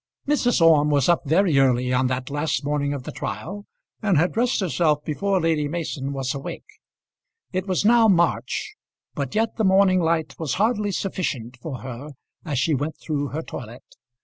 Mrs. Orme was up very early on that last morning of the trial, and had dressed herself before Lady Mason was awake. It was now March, but yet the morning light was hardly sufficient for her as she went through her toilet.